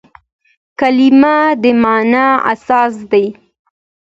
کلیمه د مانا اساس دئ.